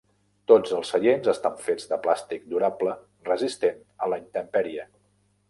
Tots els seients estan fets de plàstic durable resistent a la intempèrie.